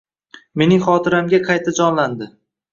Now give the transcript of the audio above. Mening xotiramga qayta jonlandi.